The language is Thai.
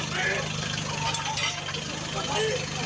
สวัสดี